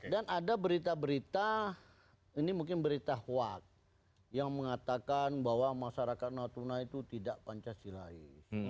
dan ada berita berita ini mungkin berita huat yang mengatakan bahwa masyarakat natuna itu tidak pancasilaes